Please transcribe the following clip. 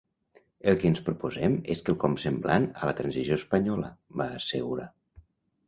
El que ens proposem és quelcom semblant a la transició espanyola, va assegurar.